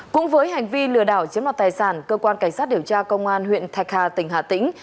cũng với hành vi lừa đảo chiếm đoạt tài sản cơ quan cảnh sát điều tra công an huyện thạch hà tỉnh hà tĩnh